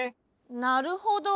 なるほど。